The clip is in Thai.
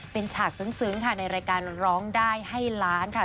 เป็นฉากซึ้งค่ะในรายการร้องได้ให้ล้านค่ะ